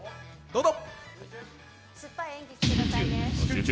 どうぞ！